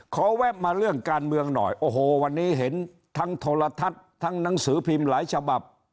แวะมาเรื่องการเมืองหน่อยโอ้โหวันนี้เห็นทั้งโทรทัศน์ทั้งหนังสือพิมพ์หลายฉบับ